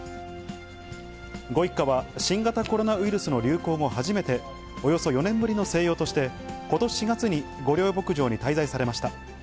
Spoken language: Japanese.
ご一家は、新型コロナウイルスの流行後初めて、およそ４年ぶりの静養として、ことし４月に御料牧場に滞在されました。